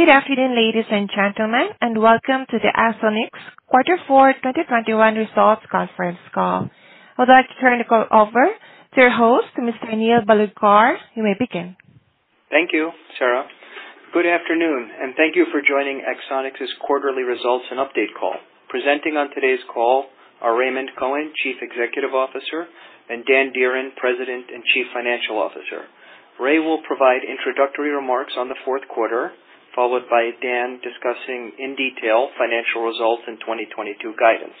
Good afternoon, ladies and gentlemen, and welcome to the Axonics Quarter Four 2021 Results Conference Call. I would like to turn the call over to your host, Mr. Neil Bhalodkar. You may begin. Thank you, Sarah. Good afternoon, and thank you for joining Axonics' quarterly results and update call. Presenting on today's call are Raymond Cohen, Chief Executive Officer, and Dan Dearen, President and Chief Financial Officer. Ray will provide introductory remarks on the fourth quarter, followed by Dan discussing in detail financial results in 2022 guidance.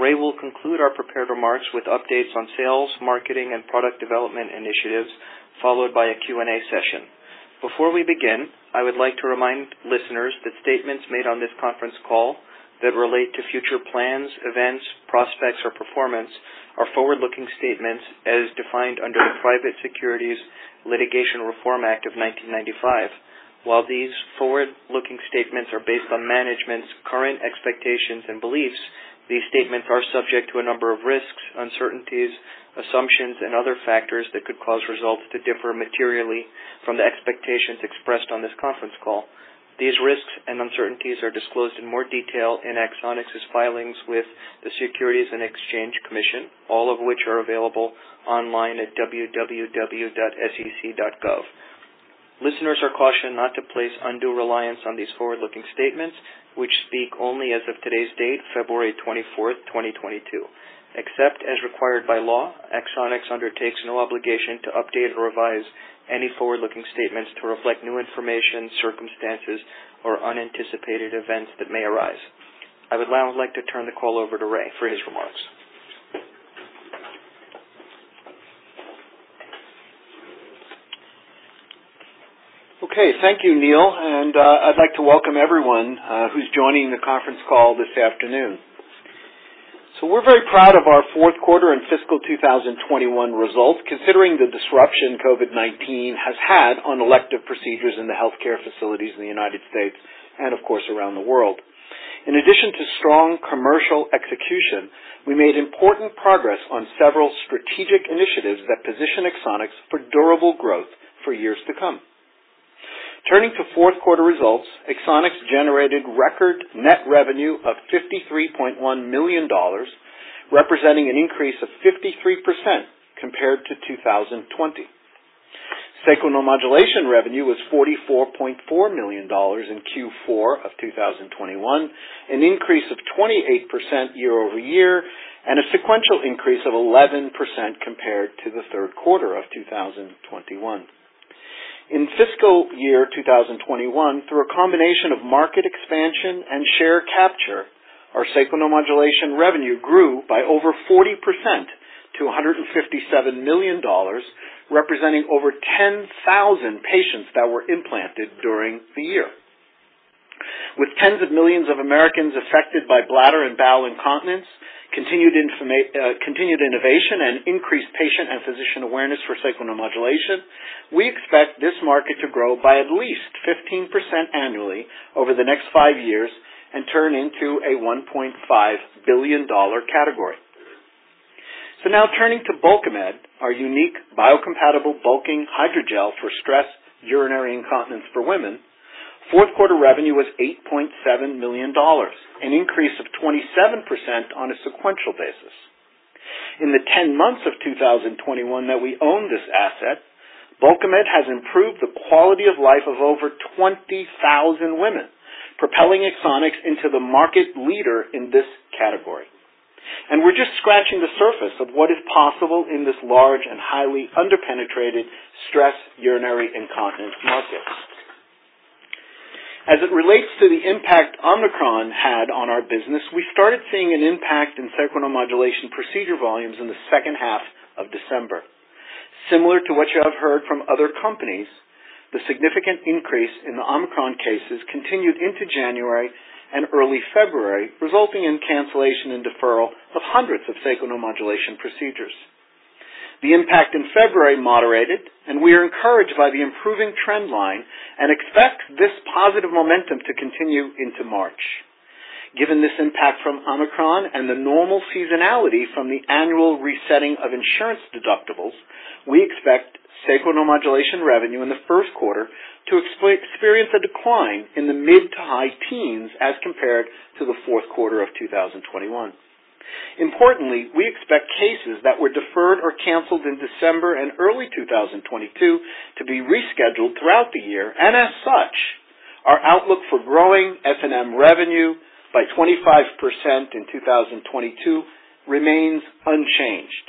Ray will conclude our prepared remarks with updates on sales, marketing, and product development initiatives, followed by a Q&A session. Before we begin, I would like to remind listeners that statements made on this conference call that relate to future plans, events, prospects, or performance are forward-looking statements as defined under the Private Securities Litigation Reform Act of 1995. While these forward-looking statements are based on management's current expectations and beliefs, these statements are subject to a number of risks, uncertainties, assumptions, and other factors that could cause results to differ materially from the expectations expressed on this conference call. These risks and uncertainties are disclosed in more detail in Axonics' filings with the Securities and Exchange Commission, all of which are available online at www.sec.gov. Listeners are cautioned not to place undue reliance on these forward-looking statements, which speak only as of today's date, February 24, 2022. Except as required by law, Axonics undertakes no obligation to update or revise any forward-looking statements to reflect new information, circumstances, or unanticipated events that may arise. I would now like to turn the call over to Ray for his remarks. Okay, thank you, Neil. I'd like to welcome everyone who's joining the conference call this afternoon. We're very proud of our fourth quarter and fiscal 2021 results, considering the disruption COVID-19 has had on elective procedures in the healthcare facilities in the United States and of course, around the world. In addition to strong commercial execution, we made important progress on several strategic initiatives that position Axonics for durable growth for years to come. Turning to fourth quarter results, Axonics generated record net revenue of $53.1 million, representing an increase of 53% compared to 2020. Sacral neuromodulation revenue was $44.4 million in Q4 of 2021, an increase of 28% year-over-year, and a sequential increase of 11% compared to the third quarter of 2021. In fiscal year 2021, through a combination of market expansion and share capture, our sacral neuromodulation revenue grew by over 40% to $157 million, representing over 10,000 patients that were implanted during the year. With tens of millions of Americans affected by bladder and bowel incontinence, continued innovation and increased patient and physician awareness for sacral neuromodulation, we expect this market to grow by at least 15% annually over the next five years and turn into a $1.5 billion category. Now turning to Bulkamid, our unique biocompatible bulking hydrogel for stress urinary incontinence for women. Fourth quarter revenue was $8.7 million, an increase of 27% on a sequential basis. In the 10 months of 2021 that we own this asset, Bulkamid has improved the quality of life of over 20,000 women, propelling Axonics into the market leader in this category. We're just scratching the surface of what is possible in this large and highly under-penetrated stress urinary incontinence market. As it relates to the impact Omicron had on our business, we started seeing an impact in sacral neuromodulation procedure volumes in the second half of December. Similar to what you have heard from other companies, the significant increase in the Omicron cases continued into January and early February, resulting in cancellation and deferral of hundreds of sacral neuromodulation procedures. The impact in February moderated, and we are encouraged by the improving trend line and expect this positive momentum to continue into March. Given this impact from Omicron and the normal seasonality from the annual resetting of insurance deductibles, we expect sacral neuromodulation revenue in the first quarter to experience a decline in the mid- to high-teens as compared to the fourth quarter of 2021. Importantly, we expect cases that were deferred or canceled in December and early 2022 to be rescheduled throughout the year. As such, our outlook for growing SNM revenue by 25% in 2022 remains unchanged.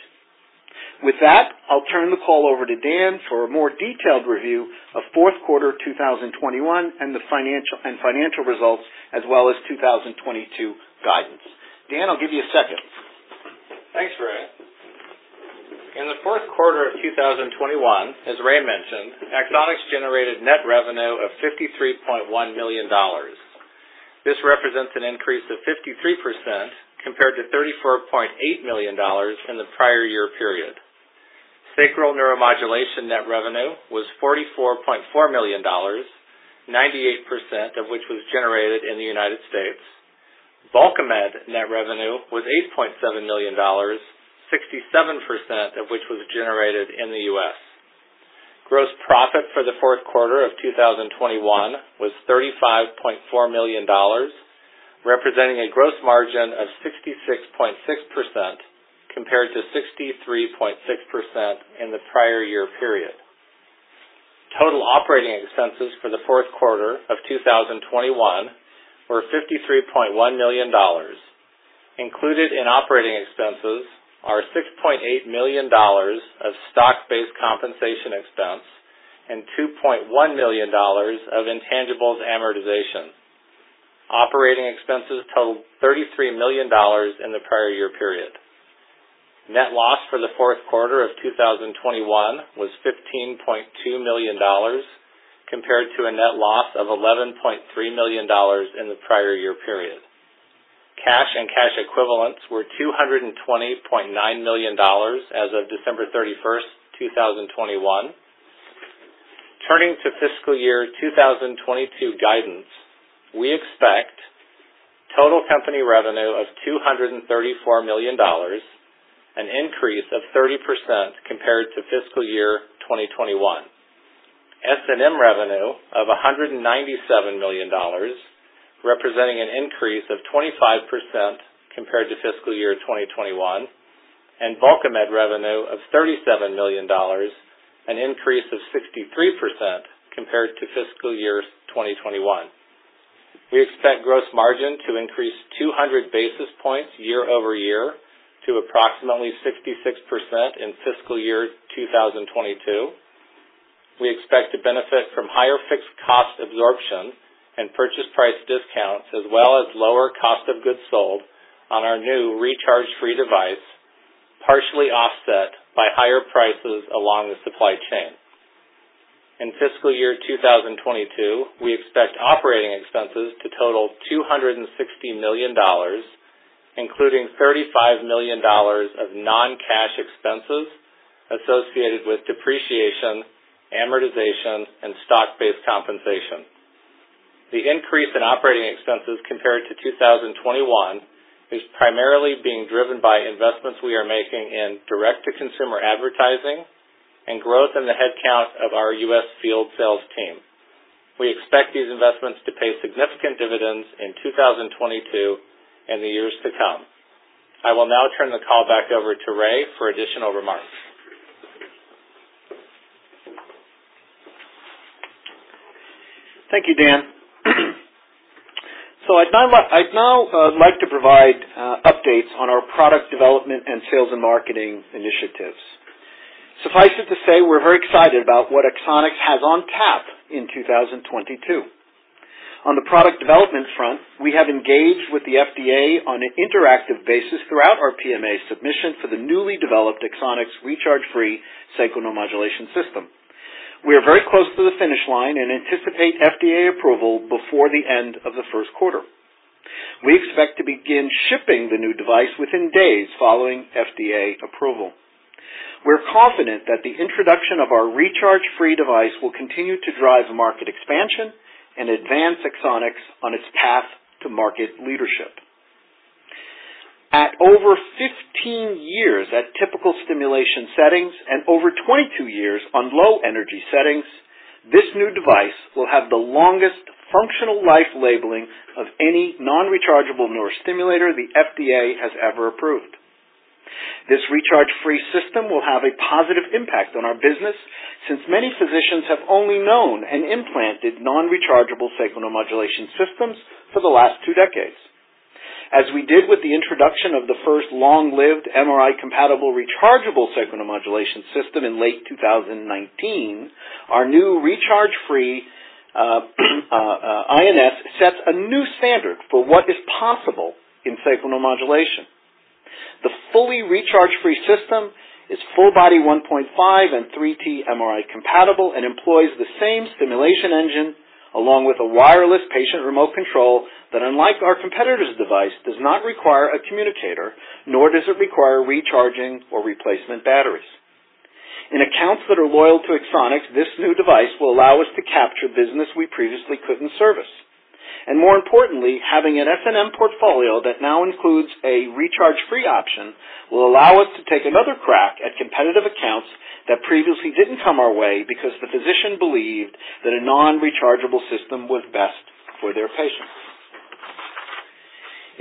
With that, I'll turn the call over to Dan for a more detailed review of fourth quarter 2021 and the financial results as well as 2022 guidance. Dan, I'll give you a second. Thanks, Ray. In the fourth quarter of 2021, as Ray mentioned, Axonics generated net revenue of $53.1 million. This represents an increase of 53% compared to $34.8 million in the prior year period. Sacral neuromodulation net revenue was $44.4 million, 98% of which was generated in the United States. Bulkamid net revenue was $8.7 million, 67% of which was generated in the U.S. Gross profit for the fourth quarter of 2021 was $35.4 million, representing a gross margin of 66.6% compared to 63.6% in the prior year period. Total operating expenses for the fourth quarter of 2021 were $53.1 million. Included in operating expenses are $6.8 million of stock-based compensation expense and $2.1 million of intangibles amortization. Operating expenses totaled $33 million in the prior year period. Net loss for the fourth quarter of 2021 was $15.2 million, compared to a net loss of $11.3 million in the prior year period. Cash and cash equivalents were $220.9 million as of December 31, 2021. Turning to fiscal year 2022 guidance, we expect total company revenue of $234 million, an increase of 30% compared to fiscal year 2021. SNM revenue of $197 million, representing an increase of 25% compared to fiscal year 2021. Bulkamid revenue of $37 million, an increase of 63% compared to fiscal year 2021. We expect gross margin to increase 200 basis points year-over-year to approximately 66% in fiscal year 2022. We expect to benefit from higher fixed cost absorption and purchase price discounts, as well as lower cost of goods sold on our new recharge-free device, partially offset by higher prices along the supply chain. In fiscal year 2022, we expect operating expenses to total $260 million, including $35 million of non-cash expenses associated with depreciation, amortization, and stock-based compensation. The increase in operating expenses compared to 2021 is primarily being driven by investments we are making in direct-to-consumer advertising and growth in the headcount of our U.S. field sales team. We expect these investments to pay significant dividends in 2022 and the years to come. I will now turn the call back over to Ray for additional remarks. Thank you, Dan. I'd now like to provide updates on our product development and sales and marketing initiatives. Suffice it to say, we're very excited about what Axonics has on tap in 2022. On the product development front, we have engaged with the FDA on an interactive basis throughout our PMA submission for the newly developed Axonics recharge-free sacral neuromodulation system. We are very close to the finish line and anticipate FDA approval before the end of the first quarter. We expect to begin shipping the new device within days following FDA approval. We're confident that the introduction of our recharge-free device will continue to drive market expansion and advance Axonics on its path to market leadership. At over 15 years at typical stimulation settings and over 22 years on low-energy settings, this new device will have the longest functional life labeling of any non-rechargeable nerve stimulator the FDA has ever approved. This recharge-free system will have a positive impact on our business since many physicians have only known and implanted non-rechargeable sacral neuromodulation systems for the last two decades. As we did with the introduction of the first long-lived MRI-compatible rechargeable sacral neuromodulation system in late 2019, our new recharge-free INS sets a new standard for what is possible in sacral neuromodulation. The fully recharge-free system is full body 1.5T and 3T MRI compatible and employs the same stimulation engine along with a wireless patient remote control that, unlike our competitor's device, does not require a communicator, nor does it require recharging or replacement batteries. In accounts that are loyal to Axonics, this new device will allow us to capture business we previously couldn't service. More importantly, having an SNM portfolio that now includes a recharge-free option will allow us to take another crack at competitive accounts that previously didn't come our way because the physician believed that a non-rechargeable system was best for their patients.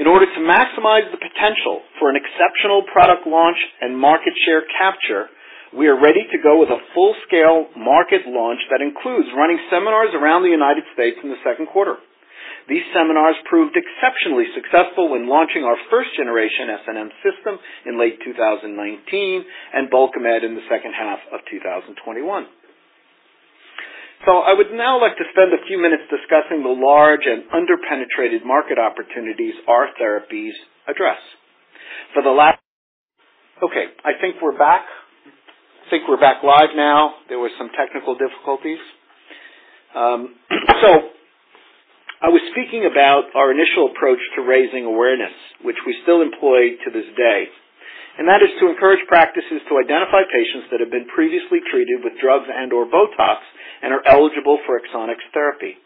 In order to maximize the potential for an exceptional product launch and market share capture, we are ready to go with a full-scale market launch that includes running seminars around the United States in the second quarter. These seminars proved exceptionally successful when launching our first generation SNM system in late 2019 and Bulkamid in the second half of 2021. I would now like to spend a few minutes discussing the large and under-penetrated market opportunities our therapies address. Okay, I think we're back live now. There were some technical difficulties. I was speaking about our initial approach to raising awareness, which we still employ to this day. That is to encourage practices to identify patients that have been previously treated with drugs and/or Botox and are eligible for Axonics therapy.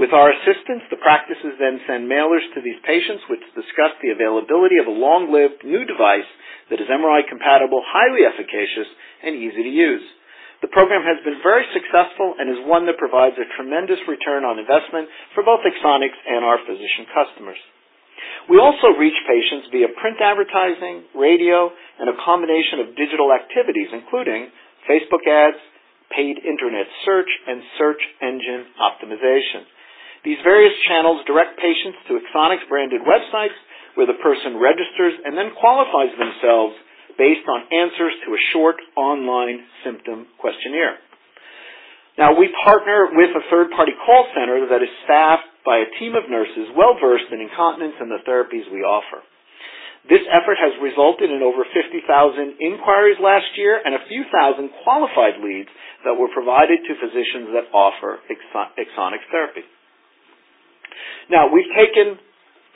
With our assistance, the practices then send mailers to these patients, which discuss the availability of a long-lived new device that is MRI compatible, highly efficacious, and easy to use. The program has been very successful and is one that provides a tremendous return on investment for both Axonics and our physician customers. We also reach patients via print advertising, radio, and a combination of digital activities, including Facebook ads, paid internet search, and search engine optimization. These various channels direct patients to Axonics-branded websites, where the person registers and then qualifies themselves based on answers to a short online symptom questionnaire. Now, we partner with a third-party call center that is staffed by a team of nurses well-versed in incontinence and the therapies we offer. This effort has resulted in over 50,000 inquiries last year and a few thousand qualified leads that were provided to physicians that offer Axonics therapy. Now, we've taken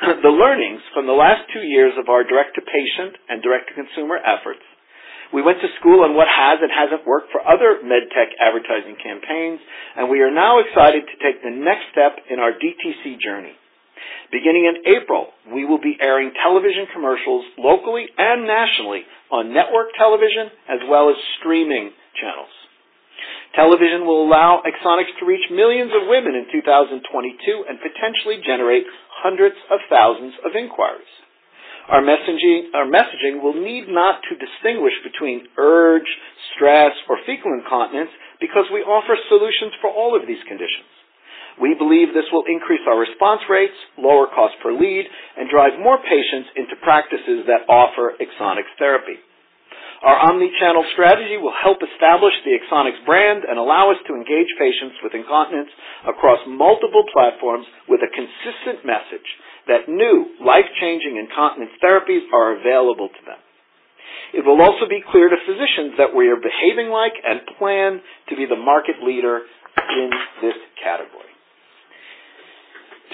the learnings from the last two years of our direct-to-patient and direct-to-consumer efforts. We went to school on what has and hasn't worked for other med tech advertising campaigns, and we are now excited to take the next step in our DTC journey. Beginning in April, we will be airing television commercials locally and nationally on network television as well as streaming channels. Television will allow Axonics to reach millions of women in 2022 and potentially generate hundreds of thousands of inquiries. Our messaging will need not to distinguish between urge, stress, or fecal incontinence because we offer solutions for all of these conditions. We believe this will increase our response rates, lower cost per lead, and drive more patients into practices that offer Axonics therapy. Our omni-channel strategy will help establish the Axonics brand and allow us to engage patients with incontinence across multiple platforms with a consistent message that new life-changing incontinence therapies are available to them. It will also be clear to physicians that we are behaving like and plan to be the market leader in this category.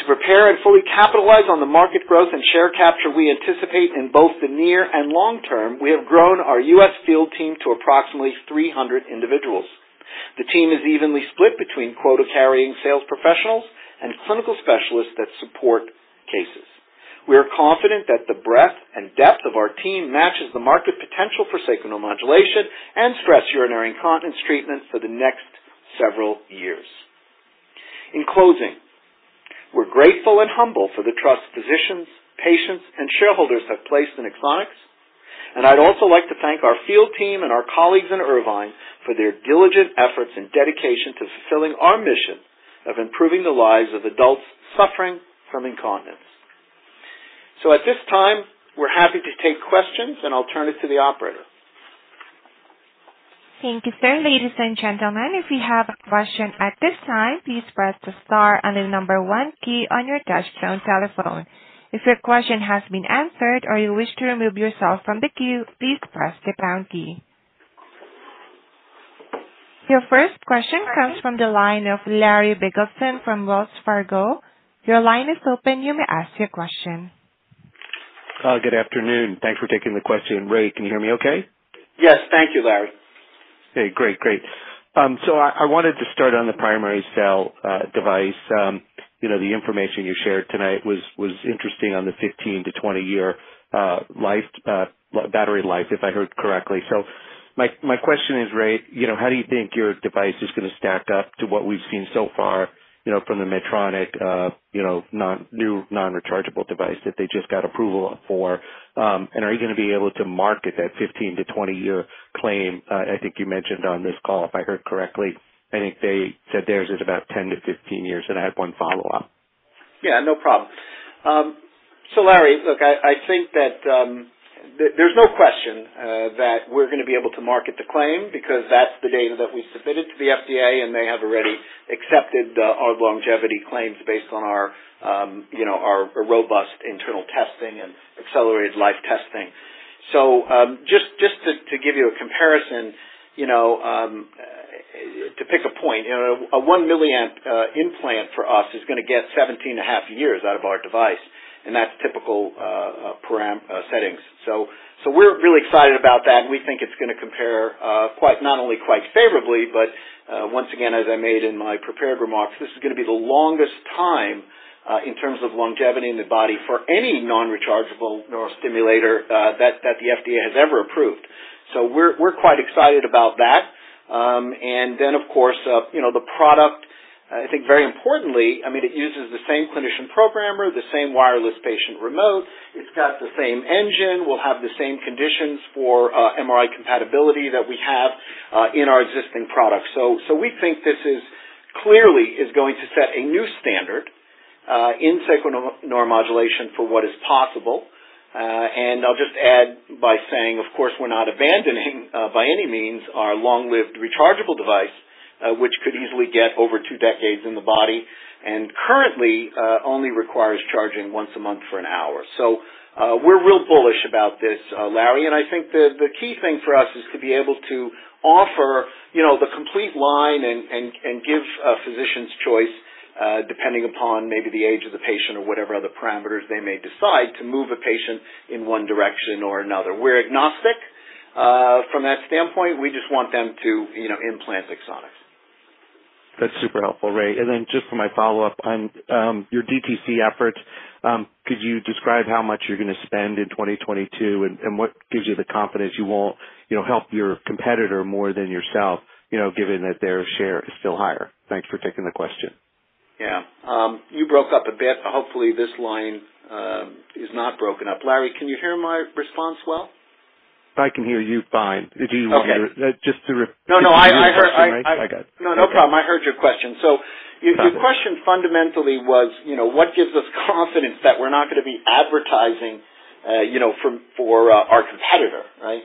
To prepare and fully capitalize on the market growth and share capture we anticipate in both the near and long term, we have grown our U.S. field team to approximately 300 individuals. The team is evenly split between quota-carrying sales professionals and clinical specialists that support cases. We are confident that the breadth and depth of our team matches the market potential for sacral neuromodulation and stress urinary incontinence treatment for the next several years. In closing, we're grateful and humble for the trust physicians, patients, and shareholders have placed in Axonics. I'd also like to thank our field team and our colleagues in Irvine for their diligent efforts and dedication to fulfilling our mission of improving the lives of adults suffering from incontinence. At this time, we're happy to take questions, and I'll turn it to the operator. Thank you, sir. Ladies and gentlemen, if you have a question at this time, please press the star and the number one key on your touchtone telephone. If your question has been answered or you wish to remove yourself from the queue, please press the pound key. Your first question comes from the line of Larry Biegelsen from Wells Fargo. Your line is open. You may ask your question. Good afternoon. Thanks for taking the question. Ray, can you hear me okay? Yes. Thank you, Larry. Okay, great. I wanted to start on the primary cell device. You know, the information you shared tonight was interesting on the 15- to 20-year battery life, if I heard correctly. My question is, Ray, you know, how do you think your device is gonna stack up to what we've seen so far, you know, from the Medtronic new non-rechargeable device that they just got approval for? And are you gonna be able to market that 15- to 20-year claim, I think you mentioned on this call, if I heard correctly? I think they said theirs is about 10- to 15 years. I have one follow-up. Yeah, no problem. Larry, look, I think that there's no question that we're gonna be able to market the claim because that's the data that we submitted to the FDA, and they have already accepted our longevity claims based on our you know our robust internal testing and accelerated life testing. Just to give you a comparison you know to pick a point you know a 1 mA implant for us is gonna get 17.5 years out of our device, and that's typical parameter settings. We're really excited about that. We think it's gonna compare quite not only quite favorably, but once again, as I made in my prepared remarks, this is gonna be the longest time in terms of longevity in the body for any non-rechargeable neurostimulator that the FDA has ever approved. We're quite excited about that. Of course, you know, the product, I think very importantly, I mean, it uses the same clinician programmer, the same wireless patient remote. It's got the same engine, will have the same conditions for MRI compatibility that we have in our existing products. We think this is clearly going to set a new standard in sacral neuromodulation for what is possible. I'll just add by saying, of course, we're not abandoning by any means our long-lived rechargeable device, which could easily get over two decades in the body and currently only requires charging once a month for an hour. We're real bullish about this, Larry, and I think the key thing for us is to be able to offer, you know, the complete line and give physicians choice depending upon maybe the age of the patient or whatever other parameters they may decide to move a patient in one direction or another. We're agnostic from that standpoint. We just want them to, you know, implant Axonics. That's super helpful, Ray. Then just for my follow-up, on your DTC efforts, could you describe how much you're gonna spend in 2022, and what gives you the confidence you won't, you know, help your competitor more than yourself, you know, given that their share is still higher? Thanks for taking the question. Yeah. You broke up a bit. Hopefully, this line is not broken up. Larry, can you hear my response well? I can hear you fine. Okay. Do you want me to-- Just to re- No. I- I got it. No, no problem. I heard your question. Your question fundamentally was, you know, what gives us confidence that we're not gonna be advertising for our competitor, right?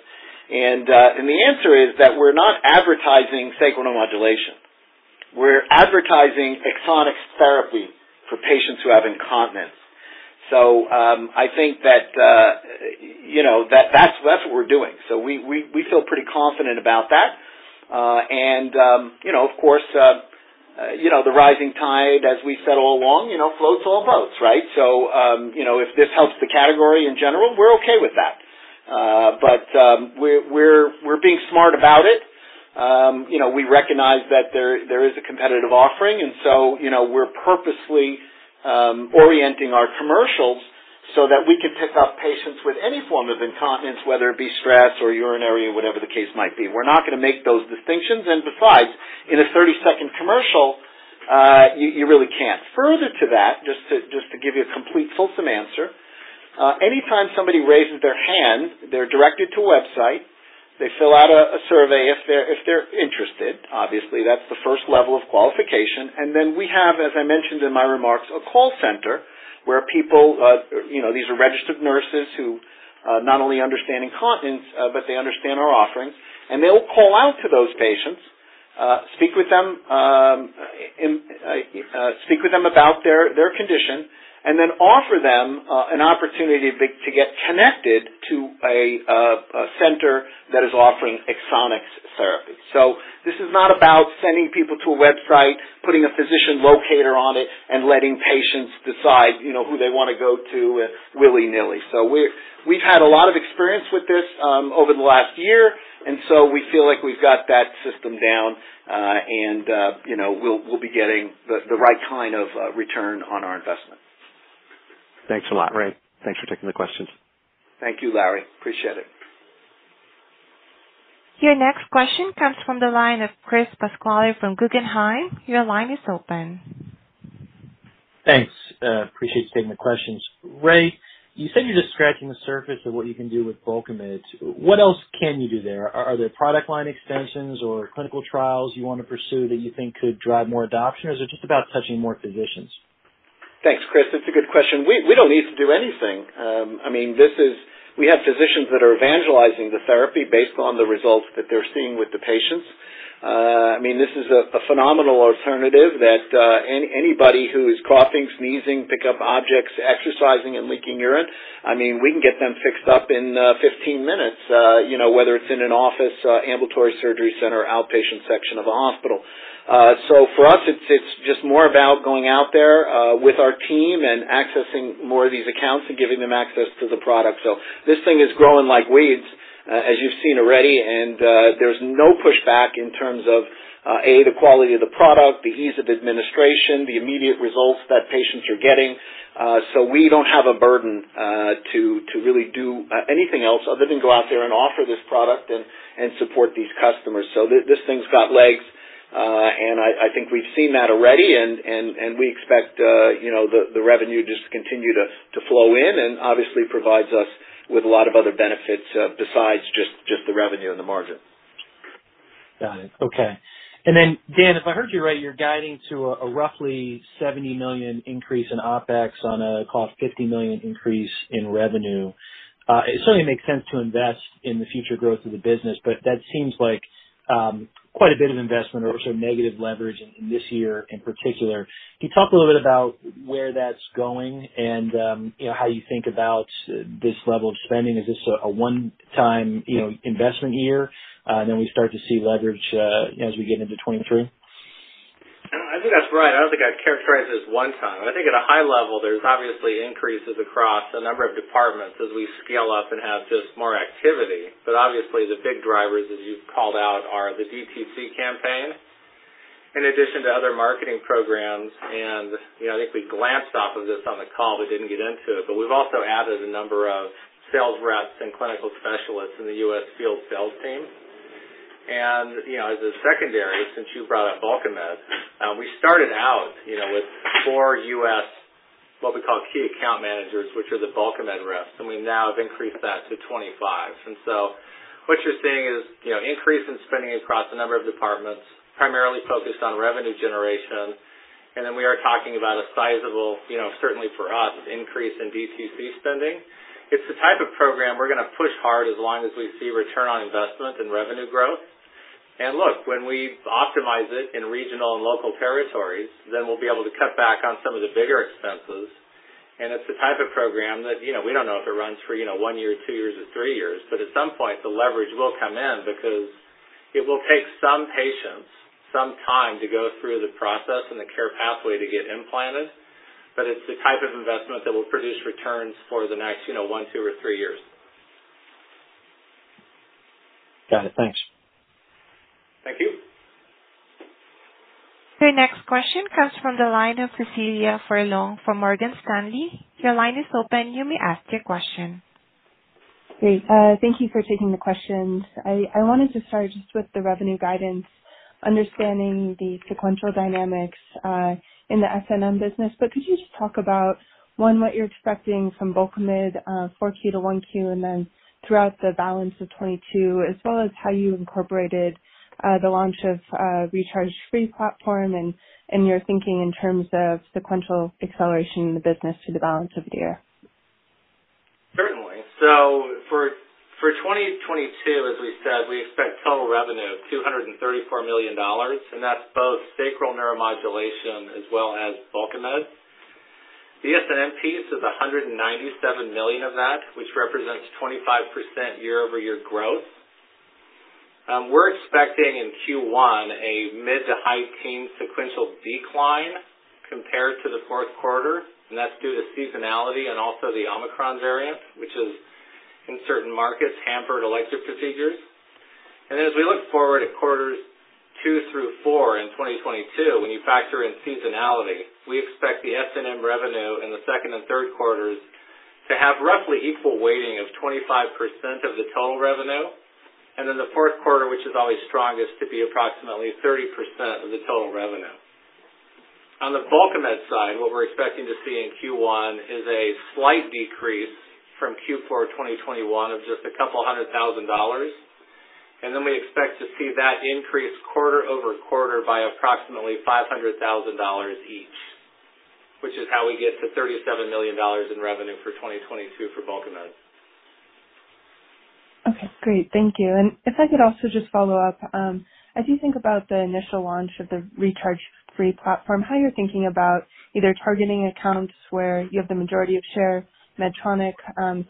The answer is that we're not advertising sacral neuromodulation. We're advertising Axonics therapy for patients who have incontinence. I think that, you know, that's what we're doing. We feel pretty confident about that. You know, of course, you know, the rising tide, as we said all along, you know, floats all boats, right? You know, if this helps the category in general, we're okay with that. We're being smart about it. You know, we recognize that there is a competitive offering, and so, you know, we're purposely orienting our commercials so that we can pick up patients with any form of incontinence, whether it be stress or urinary or whatever the case might be. We're not gonna make those distinctions. Besides, in a 30-second commercial, you really can't. Further to that, just to give you a complete, fulsome answer, anytime somebody raises their hand, they're directed to a website. They fill out a survey if they're interested. Obviously, that's the first level of qualification. Then we have, as I mentioned in my remarks, a call center where people, you know, these are registered nurses who not only understand incontinence, but they understand our offering. They'll call out to those patients, speak with them about their condition, and then offer them an opportunity to get connected to a center that is offering Axonics therapy. This is not about sending people to a website, putting a physician locator on it, and letting patients decide, you know, who they wanna go to, willy-nilly. We've had a lot of experience with this over the last year, and we feel like we've got that system down, and you know, we'll be getting the right kind of return on our investment. Thanks a lot, Ray. Thanks for taking the questions. Thank you, Larry. Appreciate it. Your next question comes from the line of Chris Pasquale from Guggenheim. Your line is open. Thanks. Appreciate you taking the questions. Ray, you said you're just scratching the surface of what you can do with Bulkamid. What else can you do there? Are there product line extensions or clinical trials you wanna pursue that you think could drive more adoption, or is it just about touching more physicians? Thanks, Chris. That's a good question. We don't need to do anything. I mean, this is. We have physicians that are evangelizing the therapy based on the results that they're seeing with the patients. I mean, this is a phenomenal alternative that anybody who is coughing, sneezing, pick up objects, exercising and leaking urine. I mean, we can get them fixed up in 15 minutes, you know, whether it's in an office, ambulatory surgery center or outpatient section of a hospital. So for us, it's just more about going out there with our team and accessing more of these accounts and giving them access to the product. This thing is growing like weeds, as you've seen already, and there's no pushback in terms of a, the quality of the product, the ease of administration, the immediate results that patients are getting. We don't have a burden to really do anything else other than go out there and offer this product and support these customers. This thing's got legs, and I think we've seen that already and we expect you know the revenue just to continue to flow in and obviously provides us with a lot of other benefits besides just the revenue and the margin. Got it. Okay. Dan, if I heard you right, you're guiding to a roughly $70 million increase in OpEx on a roughly $50 million increase in revenue. It certainly makes sense to invest in the future growth of the business, but that seems like quite a bit of investment or sort of negative leverage in this year in particular. Can you talk a little bit about where that's going and you know, how you think about this level of spending? Is this a one-time you know, investment year, then we start to see leverage as we get into 2023? I think that's right. I don't think I'd characterize it as one time. I think at a high level, there's obviously increases across a number of departments as we scale up and have just more activity. Obviously the big drivers, as you've called out, are the DTC campaign in addition to other marketing programs. You know, I think we glanced off of this on the call but didn't get into it, but we've also added a number of sales reps and clinical specialists in the U.S. field sales team. You know, as a secondary, since you brought up Bulkamid, we started out, you know, with four U.S., what we call, key account managers, which are the Bulkamid reps, and we now have increased that to 25. What you're seeing is, you know, increase in spending across a number of departments, primarily focused on revenue generation. We are talking about a sizable, you know, certainly for us, increase in DTC spending. It's the type of program we're gonna push hard as long as we see return on investment and revenue growth. Look, when we optimize it in regional and local territories, then we'll be able to cut back on some of the bigger expenses. It's the type of program that, you know, we don't know if it runs for, you know, one year, two years or three years, but at some point the leverage will come in because it will take some patients some time to go through the process and the care pathway to get implanted. It's the type of investment that will produce returns for the next, you know, one, two or three years. Got it. Thanks. Thank you. Your next question comes from the line of Cecilia Furlong from Morgan Stanley. Your line is open. You may ask your question. Great. Thank you for taking the questions. I wanted to start just with the revenue guidance, understanding the sequential dynamics in the SNM business. Could you just talk about, one, what you're expecting from Bulkamid, 4Q to 1Q, and then throughout the balance of 2022, as well as how you incorporated the launch of the recharge-free platform and your thinking in terms of sequential acceleration in the business through the balance of the year? Certainly. For 2022, as we said, we expect total revenue of $234 million, and that's both sacral neuromodulation as well as Bulkamid. The SNM piece is $197 million of that, which represents 25% year-over-year growth. We're expecting in Q1 a mid- to high-teens sequential decline compared to the fourth quarter, and that's due to seasonality and also the Omicron variant, which is in certain markets hampered elective procedures. We look forward at quarters two through four in 2022, when you factor in seasonality, we expect the SNM revenue in the second and third quarters to have roughly equal weighting of 25% of the total revenue. Then the fourth quarter, which is always strongest, to be approximately 30% of the total revenue. On the Bulkamid side, what we're expecting to see in Q1 is a slight decrease from Q4 of 2021 of just a couple $100,000. Then we expect to see that increase quarter-over-quarter by approximately $500,000 each, which is how we get to $37 million in revenue for 2022 for Bulkamid. Okay, great. Thank you. If I could also just follow up. As you think about the initial launch of the recharge free platform, how you're thinking about either targeting accounts where you have the majority of share, Medtronic,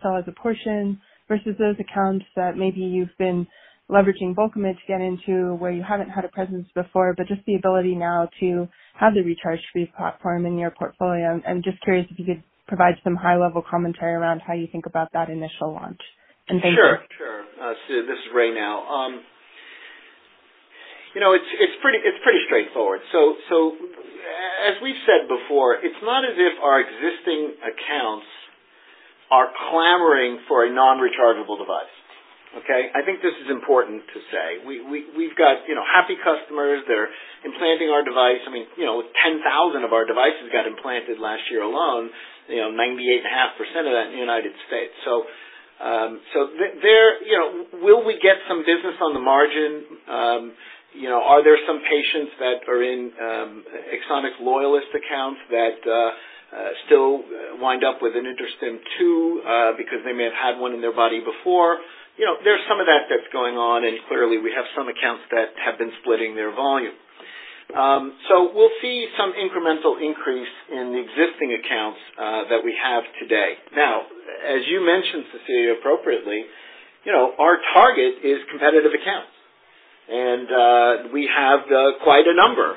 sell as a portion, versus those accounts that maybe you've been leveraging Bulkamid to get into where you haven't had a presence before, but just the ability now to have the recharge free platform in your portfolio. I'm just curious if you could provide some high-level commentary around how you think about that initial launch. Thank you. Sure. Ce, this is Ray now. You know, it's pretty straightforward. As we've said before, it's not as if our existing accounts are clamoring for a non-rechargeable device, okay? I think this is important to say. We've got, you know, happy customers. They're implanting our device. I mean, you know, 10,000 of our devices got implanted last year alone, you know, 98.5% of that in the United States. You know, will we get some business on the margin? You know, are there some patients that are in Axonics loyalist accounts that still wind up with an InterStim II because they may have had one in their body before? You know, there's some of that that's going on, and clearly we have some accounts that have been splitting their volume. We'll see some incremental increase in the existing accounts that we have today. Now, as you mentioned, Cecilia, appropriately, you know, our target is competitive accounts. We have quite a number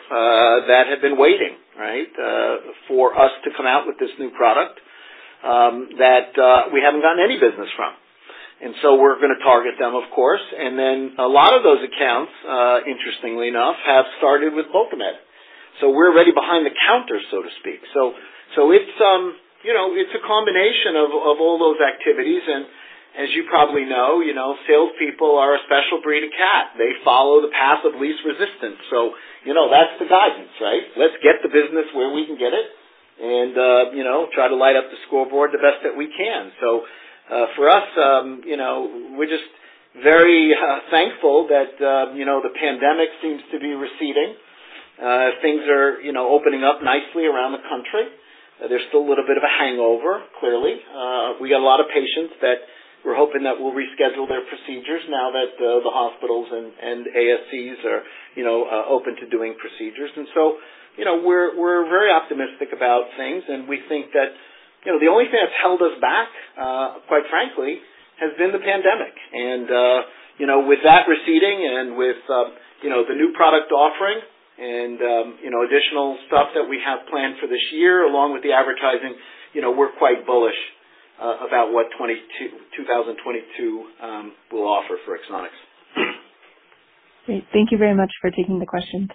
that have been waiting, right, for us to come out with this new product that we haven't gotten any business from. We're gonna target them, of course. A lot of those accounts, interestingly enough, have started with Bulkamid. We're already behind the counter, so to speak. It's, you know, it's a combination of all those activities. As you probably know, you know, salespeople are a special breed of cat. They follow the path of least resistance. You know, that's the guidance, right? Let's get the business where we can get it and, you know, try to light up the scoreboard the best that we can. For us, you know, we're just very thankful that, you know, the pandemic seems to be receding. Things are, you know, opening up nicely around the country. There's still a little bit of a hangover, clearly. We got a lot of patients that we're hoping that we'll reschedule their procedures now that the hospitals and ASCs are, you know, open to doing procedures. You know, we're very optimistic about things, and we think that, you know, the only thing that's held us back, quite frankly, has been the pandemic. You know, with that receding and with you know, the new product offering and you know, additional stuff that we have planned for this year, along with the advertising, you know, we're quite bullish about what 2022 will offer for Axonics. Great. Thank you very much for taking the questions.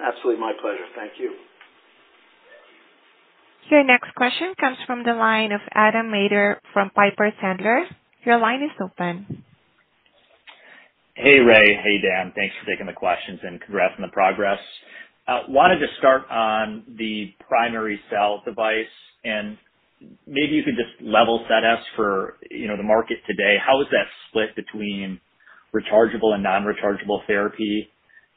Absolutely. My pleasure. Thank you. Your next question comes from the line of Adam Maeder from Piper Sandler. Your line is open. Hey, Ray. Hey, Dan. Thanks for taking the questions, and congrats on the progress. Wanted to start on the primary cell device, and maybe you could just level set us for, you know, the market today. How is that split between rechargeable and non-rechargeable therapy?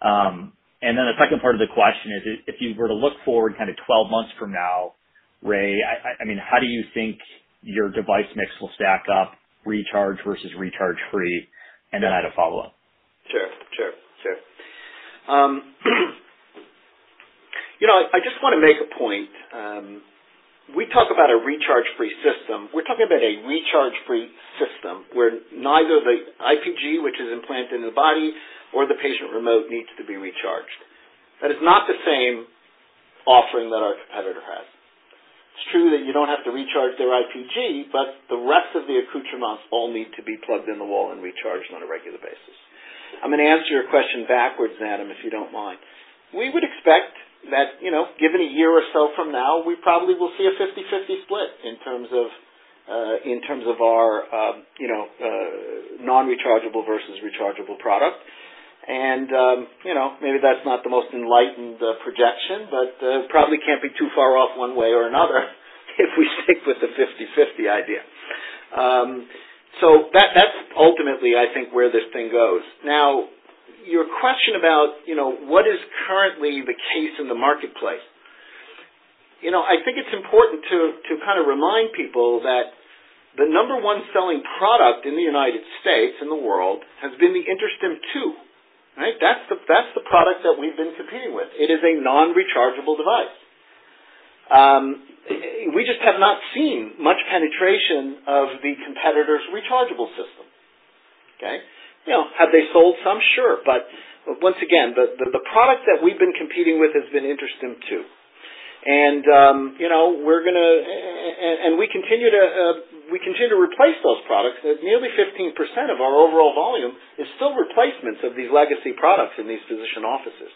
And then the second part of the question is if you were to look forward kinda 12 months from now, Ray, I mean, how do you think your device mix will stack up, recharge versus recharge-free? And then I had a follow-up. Sure. You know, I just wanna make a point. We talk about a recharge-free system. We're talking about a recharge-free system where neither the IPG, which is implanted in the body, or the patient remote needs to be recharged. That is not the same offering that our competitor has. It's true that you don't have to recharge their IPG, but the rest of the accoutrements all need to be plugged in the wall and recharged on a regular basis. I'm gonna answer your question backwards, Adam, if you don't mind. We would expect that, you know, given a year or so from now, we probably will see a 50/50 split in terms of our non-rechargeable versus rechargeable product. You know, maybe that's not the most enlightened projection, but probably can't be too far off one way or another if we stick with the 50/50 idea. So that's ultimately I think where this thing goes. Now, your question about, you know, what is currently the case in the marketplace. You know, I think it's important to kind of remind people that the number one selling product in the United States, in the world, has been the InterStim II, right? That's the product that we've been competing with. It is a non-rechargeable device. We just have not seen much penetration of the competitor's rechargeable system, okay? You know, have they sold some? Sure. But once again, the product that we've been competing with has been InterStim II. We continue to replace those products. Nearly 15% of our overall volume is still replacements of these legacy products in these physician offices.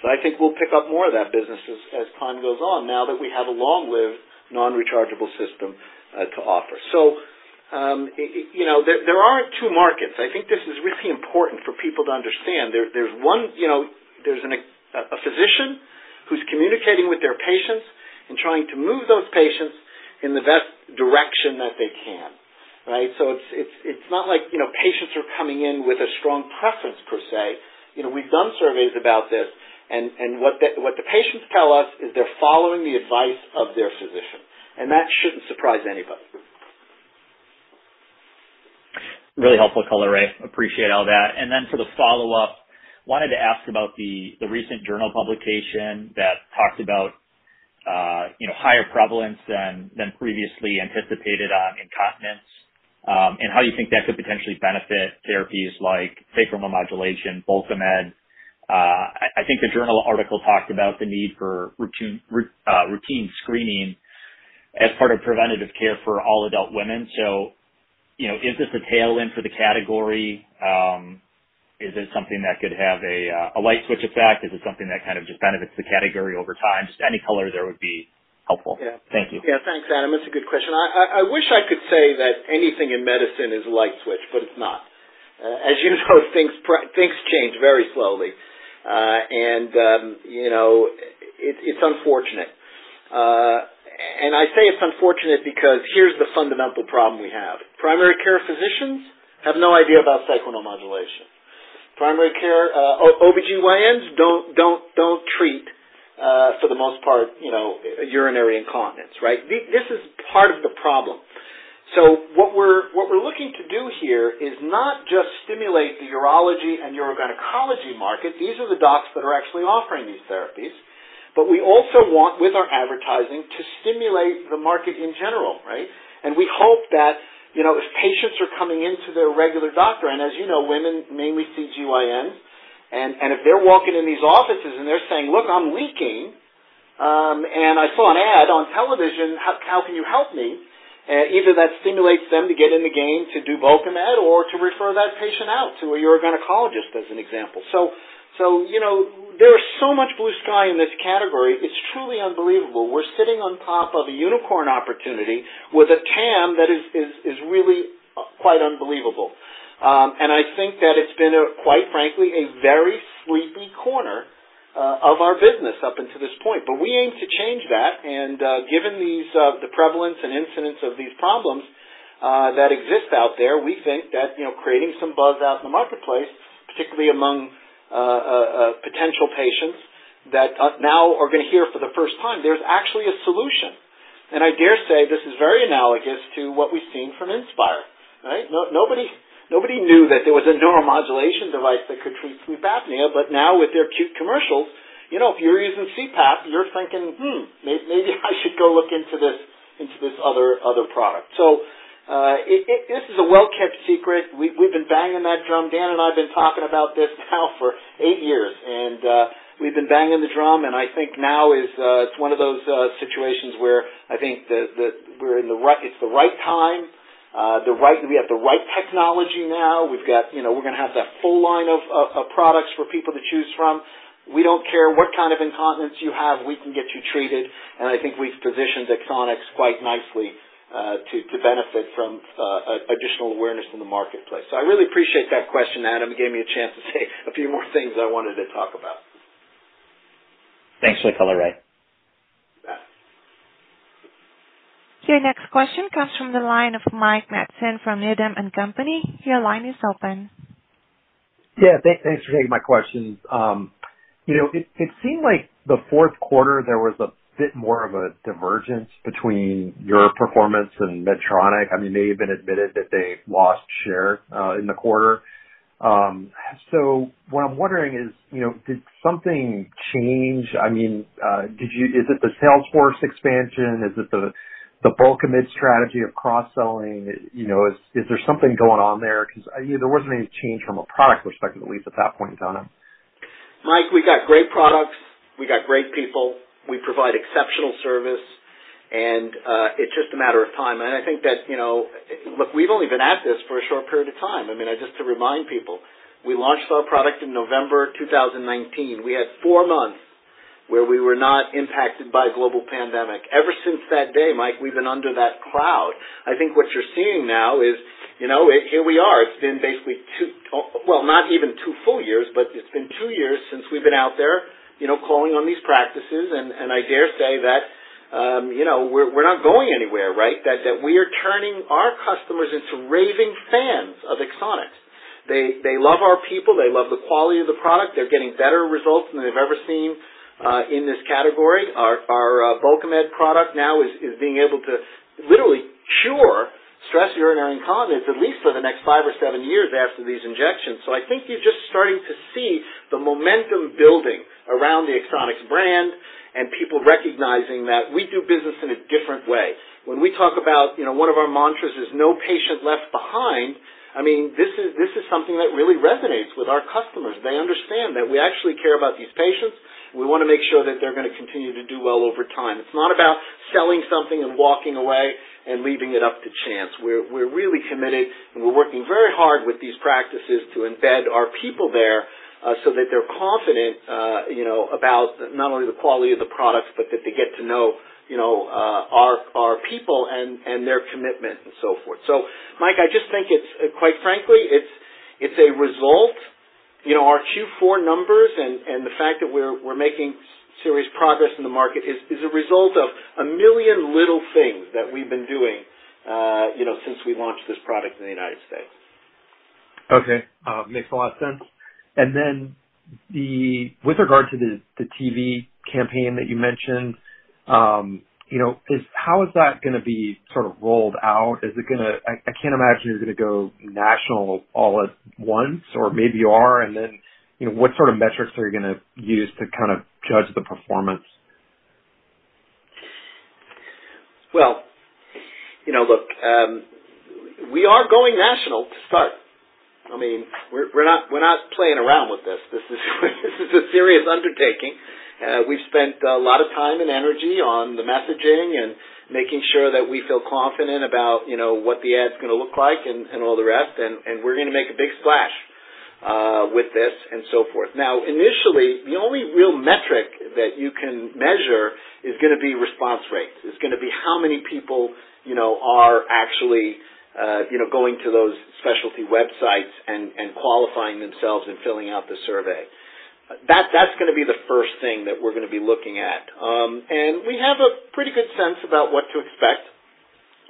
I think we'll pick up more of that business as time goes on now that we have a long-lived non-rechargeable system to offer. You know, there are two markets. I think this is really important for people to understand. There's one, you know, there's a physician who's communicating with their patients and trying to move those patients in the best direction that they can, right? It's not like, you know, patients are coming in with a strong preference per se. You know, we've done surveys about this and what the patients tell us is they're following the advice of their physician, and that shouldn't surprise anybody. Really helpful color, Ray. Appreciate all that. For the follow-up, wanted to ask about the recent journal publication that talked about, you know, higher prevalence than previously anticipated on incontinence, and how you think that could potentially benefit therapies like sacral neuromodulation, Bulkamid. I think the journal article talked about the need for routine screening as part of preventative care for all adult women. You know, is this a tailwind for the category? Is this something that could have a light switch effect? Is it something that kind of just benefits the category over time? Just any color there would be helpful. Yeah. Thank you. Yeah, thanks, Adam. That's a good question. I wish I could say that anything in medicine is light switch, but it's not. As you know, things change very slowly. You know, it's unfortunate. I say it's unfortunate because here's the fundamental problem we have. Primary care physicians have no idea about sacral neuromodulation. Primary care, OBGYNs don't treat, for the most part, you know, urinary incontinence, right? This is part of the problem. What we're looking to do here is not just stimulate the urology and urogynecology market. These are the docs that are actually offering these therapies. We also want, with our advertising, to stimulate the market in general, right? We hope that, you know, if patients are coming into their regular doctor, and as you know, women mainly see GYNs, and if they're walking in these offices and they're saying, "Look, I'm leaking, and I saw an ad on television, how can you help me?" Either that stimulates them to get in the game to do Bulkamid or to refer that patient out to a urogynecologist, as an example. You know, there is so much blue sky in this category, it's truly unbelievable. We're sitting on top of a unicorn opportunity with a TAM that is really quite unbelievable. I think that it's been, quite frankly, a very sleepy corner of our business up until this point. We aim to change that. Given these, the prevalence and incidence of these problems that exist out there, we think that, you know, creating some buzz out in the marketplace, particularly among potential patients that now are gonna hear for the first time there's actually a solution. I dare say this is very analogous to what we've seen from Inspire, right? Nobody knew that there was a neuromodulation device that could treat sleep apnea, but now with their cute commercials, you know, if you're using CPAP, you're thinking, "Hmm, maybe I should go look into this other product." This is a well-kept secret. We've been banging that drum. Dan and I have been talking about this now for eight years, and we've been banging the drum, and I think now is it's one of those situations where I think it's the right time, the right, we have the right technology now. We've got, you know, we're gonna have that full line of products for people to choose from. We don't care what kind of incontinence you have, we can get you treated, and I think we've positioned Axonics quite nicely to benefit from additional awareness in the marketplace. I really appreciate that question, Adam. It gave me a chance to say a few more things I wanted to talk about. Thanks for the color, Ray. Yeah. Your next question comes from the line of Mike Matson from Needham & Company. Your line is open. Thanks for taking my question. You know, it seemed like the fourth quarter, there was a bit more of a divergence between your performance and Medtronic. I mean, they even admitted that they lost share in the quarter. What I'm wondering is, you know, did something change? I mean, is it the sales force expansion? Is it the Bulkamid strategy of cross-selling? You know, is there something going on there? 'Cause, you know, there wasn't any change from a product perspective, at least at that point in time. Mike, we got great products. We got great people. We provide exceptional service, and it's just a matter of time. I think that, you know, look, we've only been at this for a short period of time. I mean, just to remind people, we launched our product in November 2019. We had four months where we were not impacted by a global pandemic. Ever since that day, Mike, we've been under that cloud. I think what you're seeing now is, you know, here we are. It's been basically not even two full years, but it's been two years since we've been out there, you know, calling on these practices. I dare say that, you know, we're not going anywhere, right? That we are turning our customers into raving fans of Axonics. They love our people. They love the quality of the product. They're getting better results than they've ever seen in this category. Our Bulkamid product now is being able to literally cure stress urinary incontinence, at least for the next five or seven years after these injections. I think you're just starting to see the momentum building around the Axonics brand and people recognizing that we do business in a different way. When we talk about, you know, one of our mantras is no patient left behind, I mean, this is something that really resonates with our customers. They understand that we actually care about these patients. We wanna make sure that they're gonna continue to do well over time. It's not about selling something and walking away and leaving it up to chance. We're really committed, and we're working very hard with these practices to embed our people there, so that they're confident, you know, about not only the quality of the products, but that they get to know, you know, our people and their commitment and so forth. Mike, I just think it's, quite frankly, a result. You know, our Q4 numbers and the fact that we're making serious progress in the market is a result of a million little things that we've been doing, you know, since we launched this product in the United States. Okay. Makes a lot of sense. With regard to the TV campaign that you mentioned, you know, how is that gonna be sort of rolled out? I can't imagine you're gonna go national all at once, or maybe you are. You know, what sort of metrics are you gonna use to kind of judge the performance? Well, you know, look, we are going national to start. I mean, we're not playing around with this. This is a serious undertaking. We've spent a lot of time and energy on the messaging and making sure that we feel confident about, you know, what the ad's gonna look like and all the rest, and we're gonna make a big splash with this, and so forth. Now, initially, the only real metric that you can measure is gonna be response rates. It's gonna be how many people, you know, are actually going to those specialty websites and qualifying themselves and filling out the survey. That's gonna be the first thing that we're gonna be looking at. We have a pretty good sense about what to expect.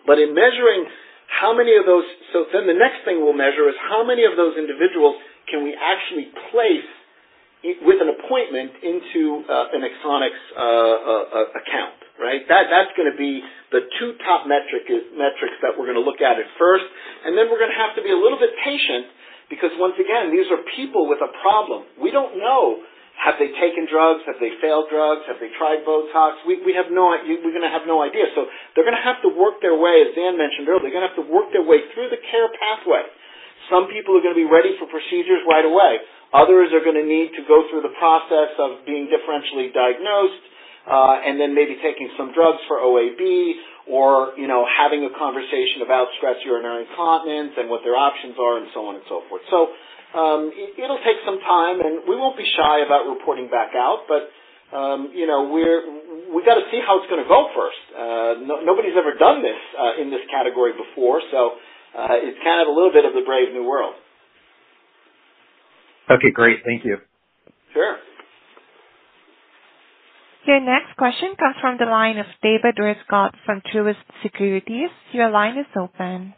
In measuring how many of those. The next thing we'll measure is how many of those individuals can we actually place with an appointment into an Axonics account, right? That's gonna be the two top metrics that we're gonna look at first. We're gonna have to be a little bit patient because once again, these are people with a problem. We don't know, have they taken drugs? Have they failed drugs? Have they tried Botox? We have no idea. They're gonna have to work their way through the care pathway, as Dan mentioned earlier. Some people are gonna be ready for procedures right away. Others are gonna need to go through the process of being differentially diagnosed, and then maybe taking some drugs for OAB or, you know, having a conversation about stress urinary incontinence and what their options are and so on and so forth. It'll take some time, and we won't be shy about reporting back out. You know, we gotta see how it's gonna go first. Nobody's ever done this in this category before, so it's kind of a little bit of the brave new world. Okay, great. Thank you. Sure. Your next question comes from the line of David Rescott from Truist Securities. Your line is open.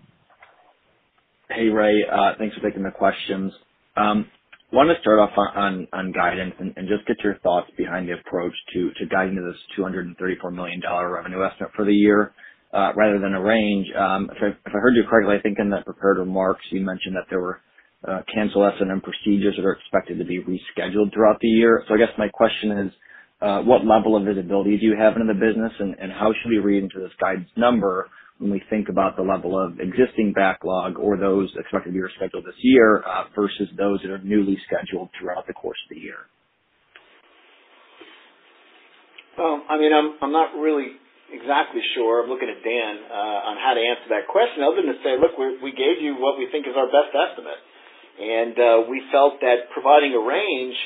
Hey, Ray. Thanks for taking the questions. Wanted to start off on guidance and just get your thoughts behind the approach to guiding this $234 million revenue estimate for the year, rather than a range. If I heard you correctly, I think in the prepared remarks, you mentioned that there were canceled SNM procedures that are expected to be rescheduled throughout the year. I guess my question is, what level of visibility do you have into the business, and how should we read into this guidance number when we think about the level of existing backlog or those expected to be rescheduled this year, versus those that are newly scheduled throughout the course of the year? Well, I mean, I'm not really exactly sure. I'm looking at Dan on how to answer that question, other than to say, look, we gave you what we think is our best estimate. We felt that providing a range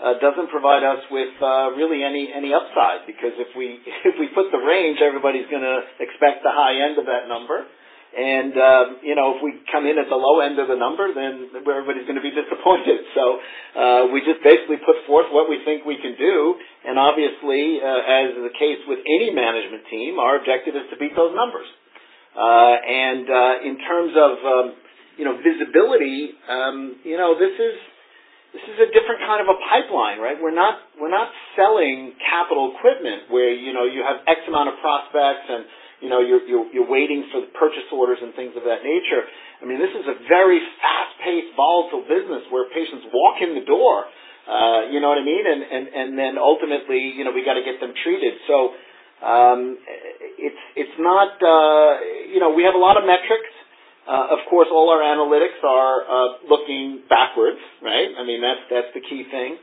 doesn't provide us with really any upside, because if we put the range, everybody's gonna expect the high end of that number. You know, if we come in at the low end of the number, then everybody's gonna be disappointed. We just basically put forth what we think we can do, and obviously, as is the case with any management team, our objective is to beat those numbers. In terms of visibility, you know, this is a different kind of a pipeline, right? We're not selling capital equipment where, you know, you have X amount of prospects and, you know, you're waiting for the purchase orders and things of that nature. I mean, this is a very fast-paced, volatile business where patients walk in the door. You know what I mean? Ultimately, you know, we gotta get them treated. It's not. You know, we have a lot of metrics. Of course, all our analytics are looking backwards, right? I mean, that's the key thing.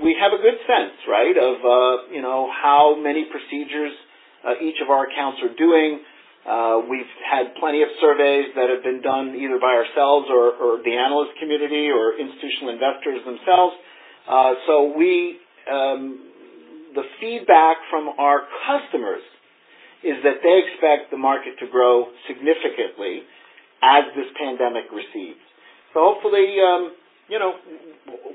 We have a good sense, right? Of, you know, how many procedures each of our accounts are doing. We've had plenty of surveys that have been done either by ourselves or the analyst community or institutional investors themselves. The feedback from our customers is that they expect the market to grow significantly as this pandemic recedes. Hopefully, you know,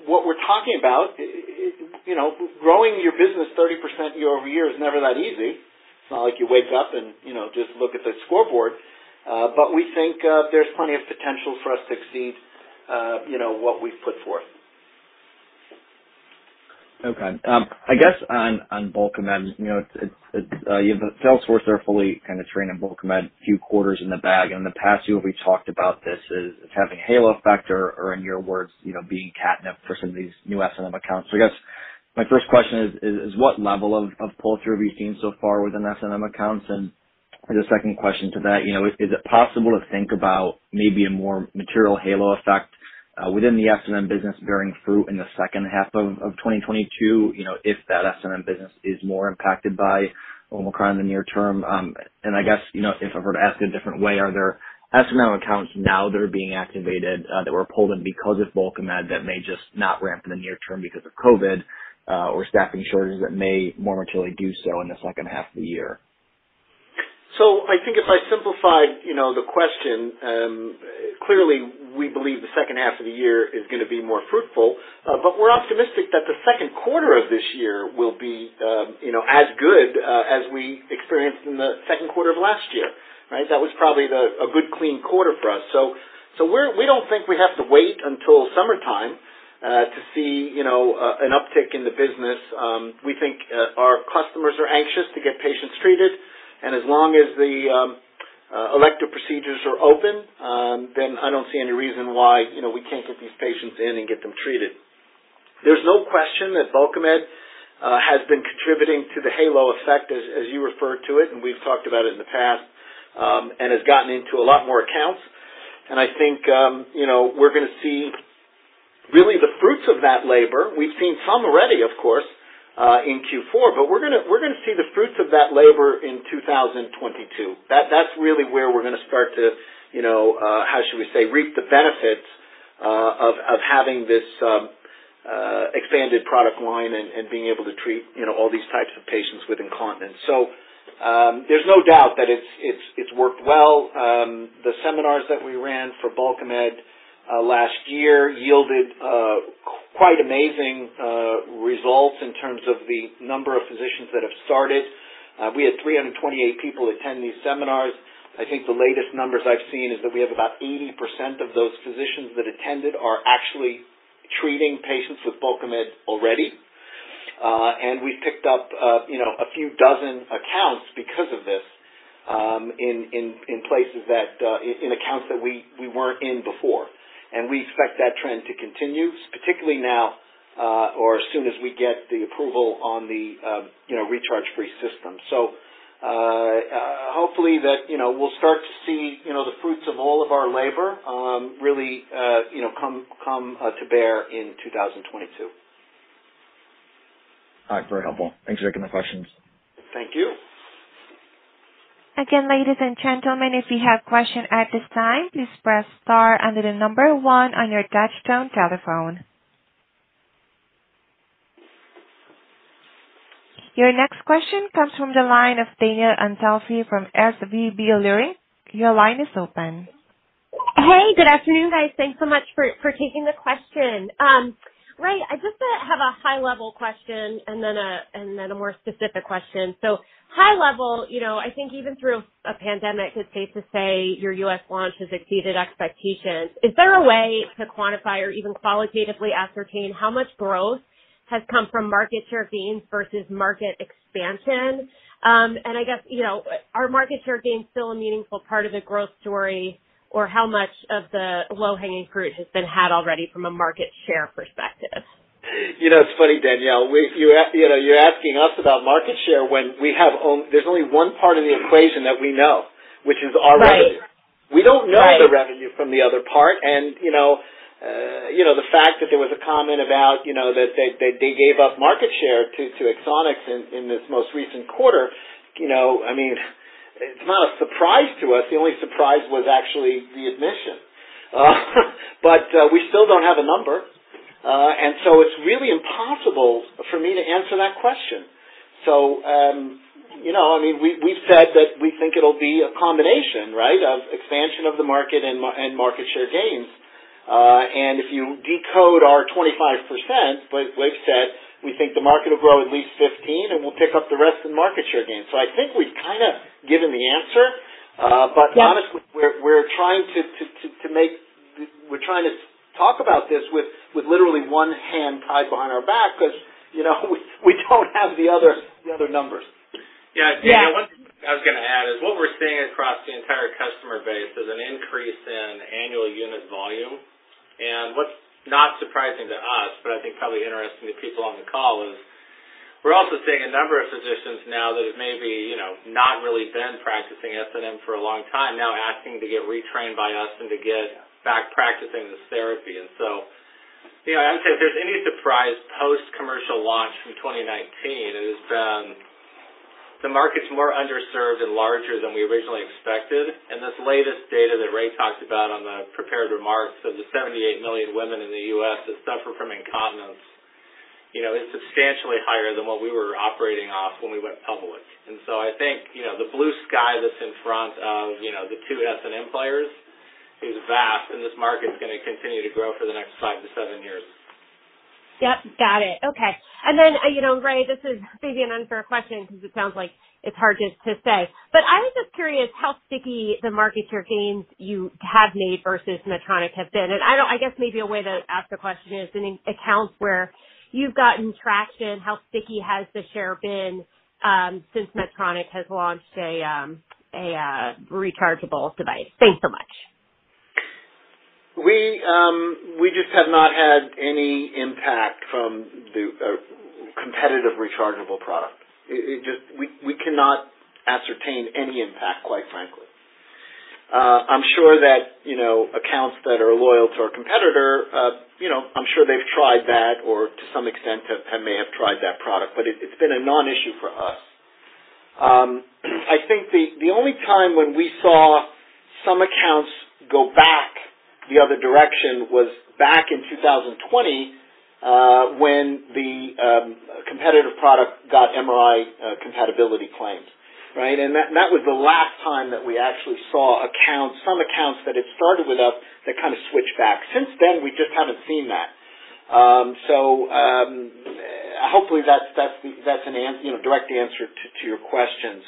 what we're talking about, you know, growing your business 30% year-over-year is never that easy. It's not like you wake up and, you know, just look at the scoreboard. We think there's plenty of potential for us to exceed, you know, what we've put forth. Okay. I guess on Bulkamid, you know, it's the sales force are fully kind of trained in Bulkamid a few quarters in the bag. In the past year, we've talked about this as having halo effect or in your words, you know, being catnip for some of these new SNM accounts. I guess my first question is what level of pull-through have you seen so far within SNM accounts? The second question to that, you know, is it possible to think about maybe a more material halo effect within the SNM business bearing fruit in the second half of 2022, you know, if that SNM business is more impacted by Omicron in the near term? I guess, you know, if I were to ask it a different way, are there SNM accounts now that are being activated, that were pulled in because of Bulkamid that may just not ramp in the near term because of COVID, or staffing shortages that may more materially do so in the second half of the year? I think if I simplified, you know, the question, clearly we believe the second half of the year is gonna be more fruitful. We're optimistic that the second quarter of this year will be, you know, as good, as we experienced in the second quarter of last year, right? That was probably a good clean quarter for us. We don't think we have to wait until summertime, to see, you know, an uptick in the business. We think our customers are anxious to get patients treated, and as long as the elective procedures are open, then I don't see any reason why, you know, we can't get these patients in and get them treated. There's no question that Bulkamid has been contributing to the halo effect as you referred to it, and we've talked about it in the past and has gotten into a lot more accounts. I think you know, we're gonna see really the fruits of that labor. We've seen some already, of course in Q4, but we're gonna see the fruits of that labor in 2022. That's really where we're gonna start to you know, how should we say, reap the benefits of having this expanded product line and being able to treat you know, all these types of patients with incontinence. There's no doubt that it's worked well. The seminars that we ran for Bulkamid last year yielded quite amazing results in terms of the number of physicians that have started. We had 328 people attend these seminars. I think the latest numbers I've seen is that we have about 80% of those physicians that attended are actually treating patients with Bulkamid already. We've picked up, you know, a few dozen accounts because of this, in places, in accounts that we weren't in before. We expect that trend to continue, particularly now, or as soon as we get the approval on the, you know, recharge-free system. Hopefully that, you know, we'll start to see, you know, the fruits of all of our labor really, you know, come to bear in 2022. All right. Very helpful. Thanks for taking the questions. Thank you. Again, ladies and gentlemen, if you have questions at this time, please press star under the number one on your touchtone telephone. Your next question comes from the line of Danielle Antalffy from SVB Leerink. Your line is open. Hey, good afternoon, guys. Thanks so much for taking the question. Ray, I just have a high-level question and then a more specific question. High-level, you know, I think even through a pandemic, it's safe to say your U.S. launch has exceeded expectations. Is there a way to quantify or even qualitatively ascertain how much growth has come from market share gains versus market expansion? I guess, you know, are market share gains still a meaningful part of the growth story? Or how much of the low-hanging fruit has been had already from a market share perspective? You know, it's funny, Danielle. You know, you're asking us about market share when we have, there's only one part of the equation that we know, which is our revenue. Right. Right. We don't know the revenue from the other part. You know, the fact that there was a comment about, you know, that they gave up market share to Axonics in this most recent quarter, you know, I mean, it's not a surprise to us. The only surprise was actually the admission. We still don't have a number. It's really impossible for me to answer that question. You know, I mean, we've said that we think it'll be a combination, right? Of expansion of the market and market share gains. If you decode our 25%, like Blake said, we think the market will grow at least 15%, and we'll pick up the rest of the market share gain. I think we've kind of given the answer. Honestly, we're trying to talk about this with literally one hand tied behind our back because, you know, we don't have the other numbers. Yeah. Yeah. What I was gonna add is what we're seeing across the entire customer base is an increase in annual unit volume. What's not surprising to us, but I think probably interesting to people on the call, is we're also seeing a number of physicians now that have maybe, you know, not really been practicing SNM for a long time now asking to get retrained by us and to get back practicing this therapy. You know, I would say if there's any surprise post-commercial launch from 2019, it has been the market's more underserved and larger than we originally expected. This latest data that Ray talked about on the prepared remarks of the 78 million women in the U.S. that suffer from incontinence, you know, is substantially higher than what we were operating off when we went public. I think, you know, the blue sky that's in front of, you know, the two SNM players is vast, and this market's gonna continue to grow for the next five-seven years. Yep, got it. Okay. You know, Ray, this is maybe an unfair question because it sounds like it's hard to say, but I was just curious how sticky the market share gains you have made versus Medtronic have been. I don't, I guess maybe a way to ask the question is, in accounts where you've gotten traction, how sticky has the share been, since Medtronic has launched a rechargeable device? Thanks so much. We just have not had any impact from the competitive rechargeable product. We cannot ascertain any impact, quite frankly. I'm sure that, you know, accounts that are loyal to our competitor, you know, I'm sure they've tried that or to some extent may have tried that product, but it's been a non-issue for us. I think the only time when we saw some accounts go back the other direction was back in 2020, when the competitive product got MRI compatibility claims, right? That was the last time that we actually saw accounts, some accounts that had started with us that kind of switched back. Since then, we just haven't seen that. Hopefully that's, you know, direct answer to your question.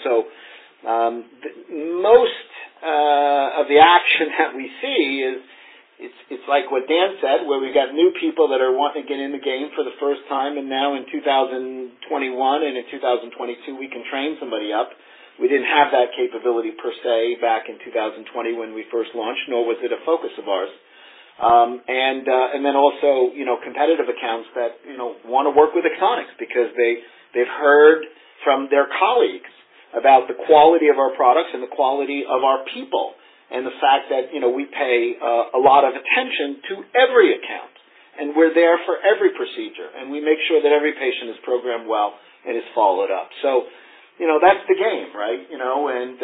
Most of the action that we see is it's like what Dan said, where we've got new people that are wanting to get in the game for the first time, and now in 2021 and in 2022, we can train somebody up. We didn't have that capability per se back in 2020 when we first launched, nor was it a focus of ours. And then also, you know, competitive accounts that, you know, wanna work with Axonics because they've heard from their colleagues about the quality of our products and the quality of our people and the fact that, you know, we pay a lot of attention to every account, and we're there for every procedure, and we make sure that every patient is programmed well and is followed up. You know, that's the game, right? You know, and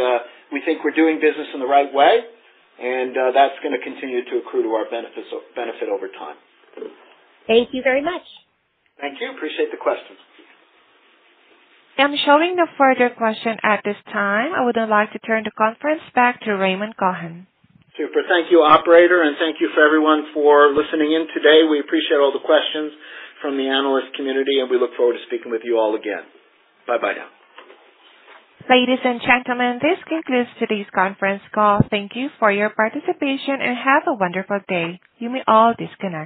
we think we're doing business in the right way, and that's gonna continue to accrue to our benefit over time. Thank you very much. Thank you. Appreciate the questions. I'm showing no further question at this time. I would now like to turn the conference back to Raymond Cohen. Thank you, operator, and thank you for everyone for listening in today. We appreciate all the questions from the analyst community, and we look forward to speaking with you all again. Bye bye now. Ladies and gentlemen, this concludes today's conference call. Thank you for your participation, and have a wonderful day. You may all disconnect.